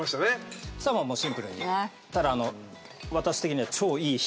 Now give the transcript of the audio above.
ただあの私的には。